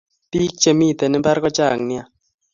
Pik che miten imbar ko chang nea